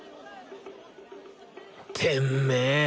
てめえ！